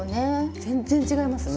全然違いますね。